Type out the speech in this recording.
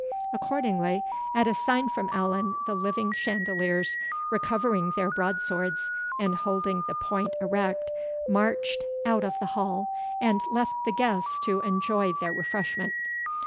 Accordingly, at a sign from Allan, the living chandeliers, recovering their broadswords, and holding the point erect, marched out of the hall, and left the guests to enjoy their refreshment.